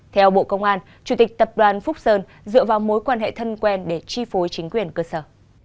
theo bộ công an chủ tịch tập đoàn phúc sơn dựa vào mối quan hệ thân quen để chi phối chính quyền cơ sở